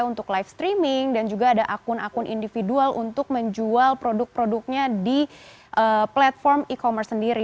untuk live streaming dan juga ada akun akun individual untuk menjual produk produknya di platform e commerce sendiri